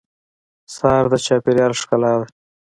سهار د چاپېریال ښکلا ده.